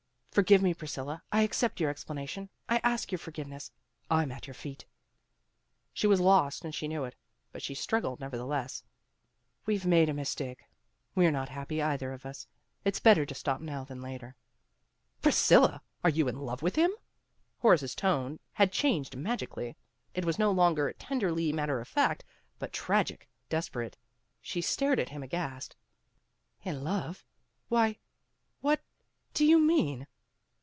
" Forgive me, Priscilla. I accept your ex planation. I ask your forgiveness. I am at your feet." She was lost and she knew it, but she struggled nevertheless. " We've made a mis take. We're not happy, either of us. It's better to stop now than later." ''Priscilla are you in love with him?" Horace's tone had changed magically. It was no longer tenderly matter of fact, but tragic, desperate. She stared at him aghast. "In love why, what, do you mean?"